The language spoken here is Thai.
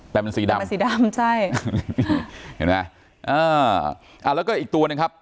แต่มันสีดำมันสีดำใช่เห็นไหมอ่าอ่าแล้วก็อีกตัวหนึ่งครับ